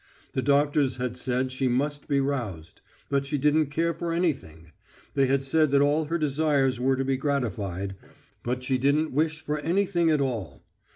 The doctors had said she must be roused, but she didn't care for anything; they had said that all her desires were to be gratified, but she didn't wish for anything at all.